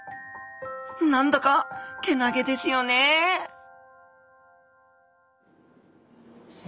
何だかけなげですよねす